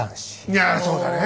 いやそうだね！